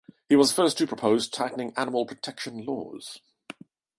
He was the first to propose tightening animal protection laws.